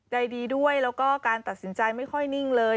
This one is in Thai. ใจดีด้วยแล้วก็การตัดสินใจไม่ค่อยนิ่งเลย